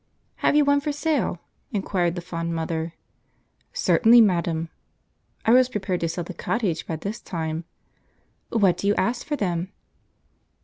"Have you one for sale?" inquired the fond mother. "Certainly, madam." (I was prepared to sell the cottage by this time.) "What do you ask for them?"